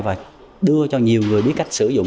và đưa cho nhiều người biết cách sử dụng